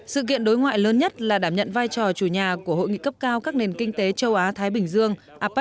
sự kiện đối ngoại lớn nhất là đảm nhận vai trò chủ nhà của hội nghị cấp cao các nền kinh tế châu á thái bình dương